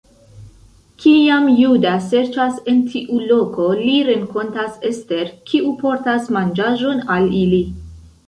Kiam Juda serĉas en tiu loko, li renkontas Ester, kiu portas manĝaĵon al ili.